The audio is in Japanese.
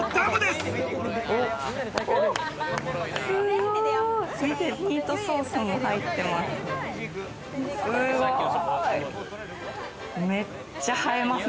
すごい！ミートソースも入ってます。